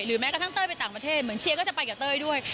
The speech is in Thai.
แม้กระทั่งเต้ยไปต่างประเทศเหมือนเชียร์ก็จะไปกับเต้ยด้วย